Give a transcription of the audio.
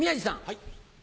はい。